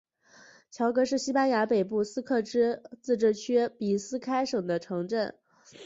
格乔是西班牙北部巴斯克自治区比斯开省的城镇。